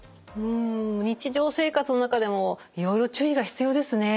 日常生活の中でもいろいろ注意が必要ですね。